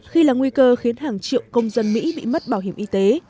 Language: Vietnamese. hàng triệu công dân mỹ bị mất bảo hiểm y tế